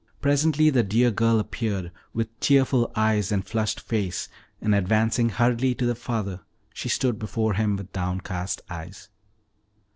Presently the dear girl appeared, with tearful eyes and flushed face, and advancing hurriedly to the father, she stood before him with downcast eyes.